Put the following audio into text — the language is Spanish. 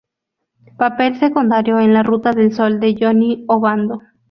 Papel secundario en La Ruta del Sol, de Jhonny Obando.